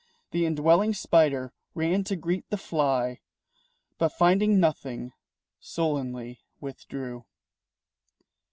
The indwelling spider ran to greet the fly, But finding nothing, sullenly withdrew.